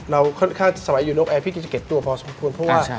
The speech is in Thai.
ค่อนข้างสมัยอยู่นกแอร์พี่ที่จะเก็บตัวพอสมควรเพราะว่า